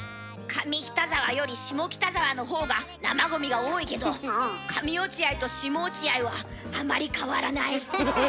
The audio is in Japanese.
上北沢より下北沢のほうが生ゴミが多いけど上落合と下落合はあまり変わらない。